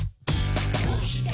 「どうして？